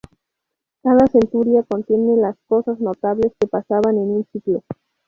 Cada "centuria" contiene las cosas notables que pasaban en un siglo.